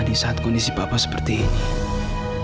di saat kondisi bapak seperti ini